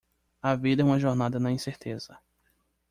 A vida é uma jornada na incerteza.